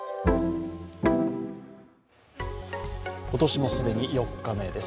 今年も既に４日目です。